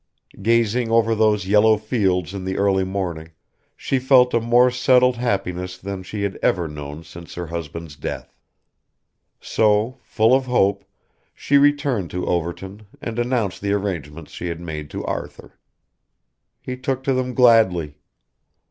Gazing over those yellow fields in the early morning she felt a more settled happiness than she had ever known since her husband's death. So, full of hope, she returned to Overton and announced the arrangements she had made to Arthur. He took to them gladly.